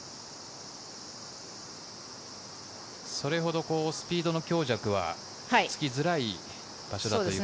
それほどスピードの強弱はつきづらい場所だということですね。